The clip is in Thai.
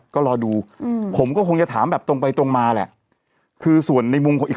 ก็รอดูอืมผมก็คงจะถามแบบตรงไปตรงมาแหละคือส่วนในมุมของอีก